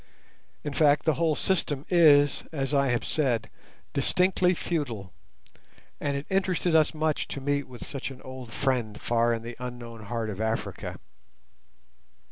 In fact the whole system is, as I have said, distinctly feudal, and it interested us much to meet with such an old friend far in the unknown heart of Africa.